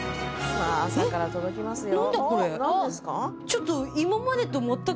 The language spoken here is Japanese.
さあ朝から届きますよ。